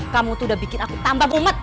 kamu tuh udah bikin aku tambah umat